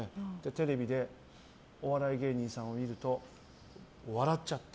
テレビでお笑い芸人さんを見ると笑っちゃって。